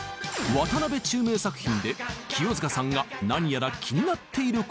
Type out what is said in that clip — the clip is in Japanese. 渡辺宙明作品で清塚さんが何やら気になっていることが。